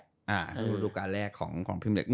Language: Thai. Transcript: รูปรูกการแรกของพี่เมริก